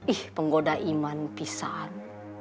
ih penggoda iman pisang